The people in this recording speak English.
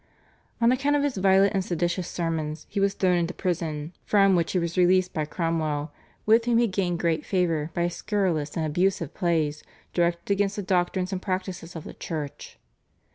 On account of his violent and seditious sermons he was thrown into prison, from which he was released by Cromwell, with whom he gained great favour by his scurrilous and abusive plays directed against the doctrines and practices of the Church.